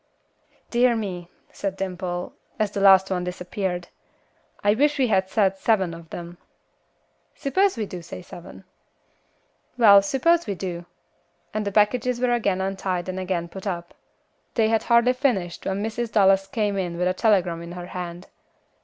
"Dear me," said Dimple, as the last one disappeared, "I wish we had said seven of them." "Suppose we do say seven." "Well, suppose we do," and the packages were again untied and again put up. They had hardly finished when Mrs. Dallas came in with a telegram in her hand.